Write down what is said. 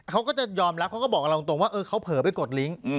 เขาก็จะยอมรับเขาก็บอกกับเราตรงว่าเขาเผลอไปกดลิงค์